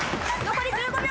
残り１５秒！